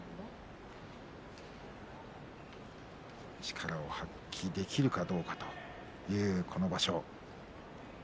力を発揮できるかどうかというこの場所。